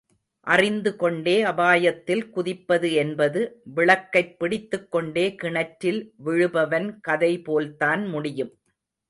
அறிந்து கொண்டே அபாயத்தில் குதிப்பது என்பது விளக்கைப் பிடித்துக்கொண்டே கிணற்றில் விழுபவன் கதை போல்தான் முடியும்.